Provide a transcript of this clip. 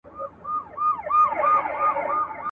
زه به سبا لاس پرېولم وم